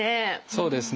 そうですね。